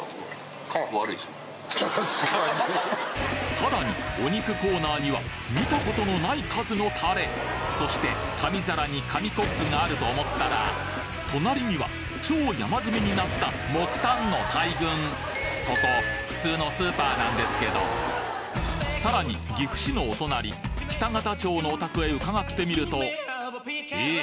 さらにお肉コーナーには見たことのない数のタレそして紙皿に紙コップがあると思ったら隣には超山積みになった木炭の大群ここ普通のスーパーなんですけどさらに岐阜市のお隣北方町のお宅へ伺ってみるとえ？